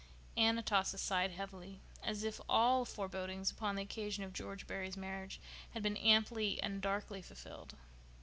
Aunt Atossa sighed heavily, as if all forebodings upon the occasion of George Barry's marriage had been amply and darkly fulfilled.